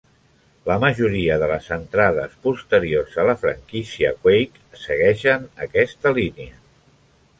La majoria de les entrades posteriors a la franquícia "Quake" segueixen aquesta línia.